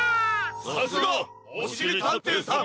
さすが！おしりたんていさん。